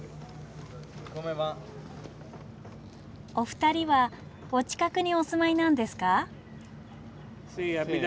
お二人はお近くにお住まいなんですか？